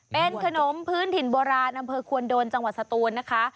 เป็นขนมพื้นถิ่นโบราณอำเภอควนโดนจังหวัดสตูนนะคะ